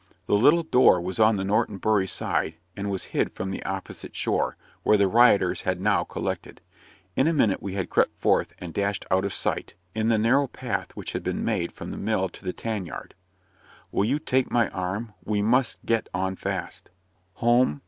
The little door was on the Norton Bury side, and was hid from the opposite shore, where the rioters had now collected. In a minute we had crept forth, and dashed out of sight, in the narrow path which had been made from the mill to the tan yard. "Will you take my arm? we must get on fast." "Home?"